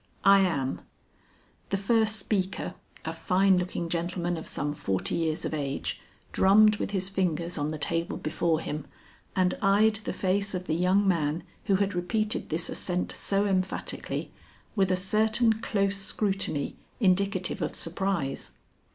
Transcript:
"I am." The first speaker, a fine looking gentleman of some forty years of age, drummed with his fingers on the table before him and eyed the face of the young man who had repeated this assent so emphatically, with a certain close scrutiny indicative of surprise.